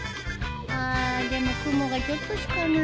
あでも雲がちょっとしかない。